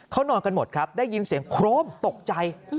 เขานอนกันหมดครับได้ยินเสียงโครมตกใจ